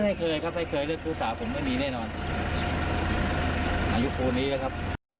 ไม่เคยครับไม่เคยเล่นชู้สาวผมไม่มีแน่นอนอายุครูนี้นะครับ